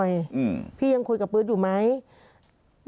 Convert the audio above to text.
พี่พี่อย่างคุยกับเปื๊อดให้หน่อย